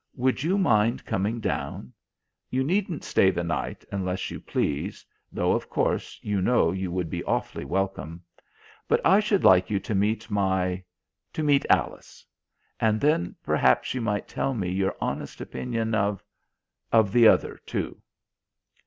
Would you mind coming down? You needn't stay the night unless you please, though, of course, you know you would be awfully welcome. But I should like you to meet my to meet Alice; and then, perhaps, you might tell me your honest opinion of of the other too."